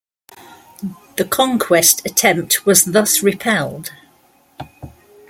The conquest attempt was thus repelled.